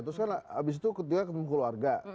terus kan abis itu ketika ketemu keluarga